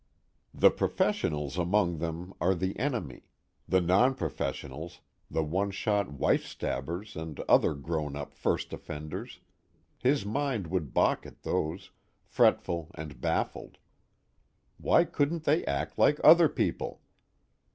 The professionals among them are The Enemy; the nonprofessionals, the one shot wife stabbers and other grown up first offenders his mind would balk at those, fretful and baffled: why couldn't they act like other people?